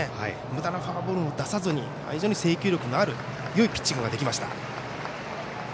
むだなフォアボールも出さずに非常に制球力のあるよいピッチングができました。